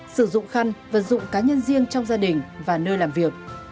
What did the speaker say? sử dụng khăn vật dụng cá nhân riêng trong gia đình và nơi làm việc